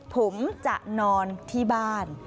ผมจะนอนที่บ้าน